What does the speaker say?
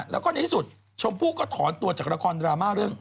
แล้วก็ในที่สุดชมพู่ก็ถอนตัวจากละครดราม่าเรื่อง